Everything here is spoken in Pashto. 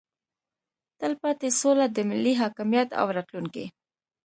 تلپاتې سوله د ملي حاکمیت او راتلونکي